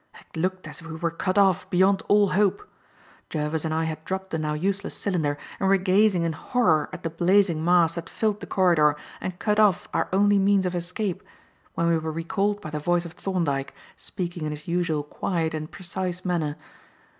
It looked as if we were cut off beyond all hope. Jervis and I had dropped the now useless cylinder and were gazing in horror at the blazing mass that filled the corridor and cut off our only means of escape, when we were recalled by the voice of Thorndyke, speaking in his usual quiet and precise manner.